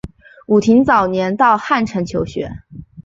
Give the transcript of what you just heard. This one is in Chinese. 武亭早年到汉城求学。